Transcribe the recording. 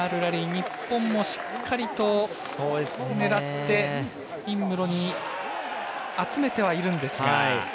日本もしっかりと狙って尹夢ろに集めてはいるんですが。